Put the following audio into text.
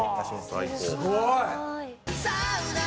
「すごい！」